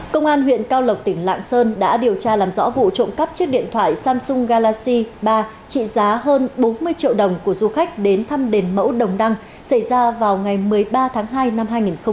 công an huyện cao lộc tỉnh lạng sơn đã điều tra làm rõ vụ trộm cắp chiếc điện thoại samsung galaxy ba trị giá hơn bốn mươi triệu đồng của du khách đến thăm đền mẫu đồng đăng xảy ra vào ngày một mươi ba tháng hai năm hai nghìn hai mươi ba